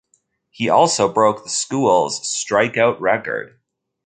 He also broke the school's strikeout record.